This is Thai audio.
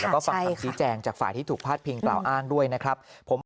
แล้วก็ฟังคำชี้แจงจากฝ่ายที่ถูกพาดพิงกล่าวอ้างด้วยนะครับ